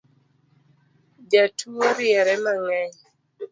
Jatuo riere mang’eny